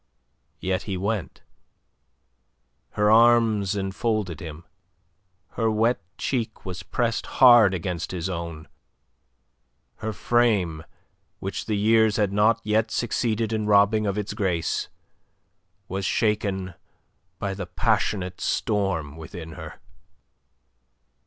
Yet he went. Her arms enfolded him; her wet cheek was pressed hard against his own; her frame, which the years had not yet succeeded in robbing of its grace, was shaken by the passionate storm within her.